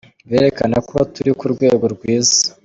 Birerekana ko turi ku rwego rwiza.